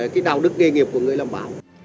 cái đạo đức nghề nghiệp của người làm báo